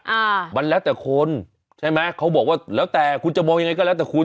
อ่ามันแล้วแต่คนใช่ไหมเขาบอกว่าแล้วแต่คุณจะมองยังไงก็แล้วแต่คุณ